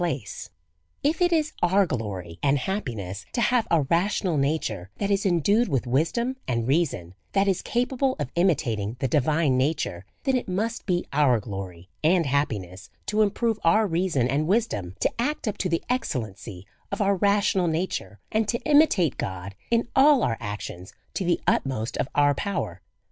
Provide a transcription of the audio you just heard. DEVOUT AND HOLY LIFE, 53 If it is our glory and happiness to have a rational nature, that is endued with wisdom and reason, that is capable of imitating the divine nature, then it must be our glory and happiness to improve our reason and wisdom, to act up to the excellency of our rational na ture, and to imitate God in all our actions to the ut most of our power.